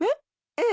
ええ。